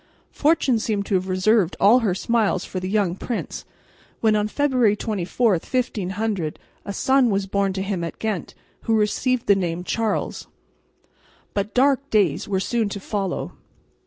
Fortune seemed to have reserved all her smiles for the young prince, when on February 24, 1500, a son was born to him at Ghent, who received the name Charles. But dark days were soon to follow.